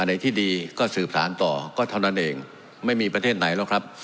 ในที่ดีก็สืบสารต่อก็เท่านั้นเองไม่มีประเทศไหนหรอกครับ